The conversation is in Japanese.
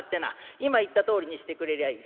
今言ったとおりにしてくれりゃいい。